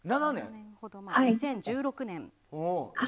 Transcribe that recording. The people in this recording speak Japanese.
２０１６年。